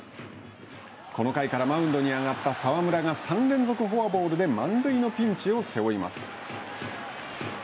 この回からマウンドに上がった澤村が３連続フォアボールで満塁のピンチを背負います。